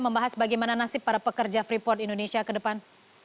membahas bagaimana nasib para pekerja freeport indonesia ke depan